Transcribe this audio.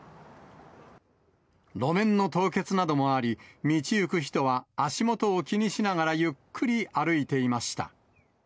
路面の凍結などもあり、道行く人は、足元を気にしながらゆっくり歩いていました。